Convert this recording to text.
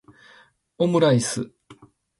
omuraisu